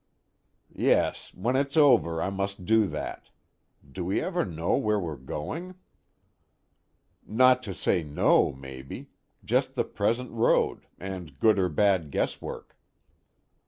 "Yes, when it's over, I must do that. Do we ever know where we're going?" "Not to say know, maybe. Just the present road, and good or bad guesswork."